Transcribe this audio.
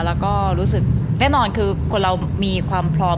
แล้วก็รู้สึกแน่นอนคือคนเรามีความพร้อม